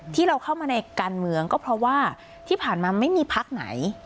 ที่เราเข้ามาในการเมืองก็เพราะว่าที่ผ่านมาไม่มีพักไหน